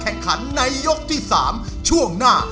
แข่งขันในยกที่๓ช่วงหน้า